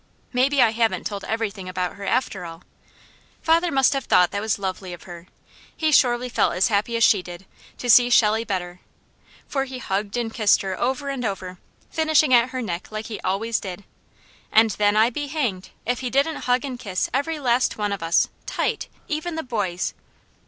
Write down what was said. Maybe I haven't told everything about her, after all. Father must have thought that was lovely of her; he surely felt as happy as she did, to see Shelley better, for he hugged and kissed her over and over, finishing at her neck like he always did, and then I be hanged, if he didn't hug and kiss every last one of us tight, even the boys.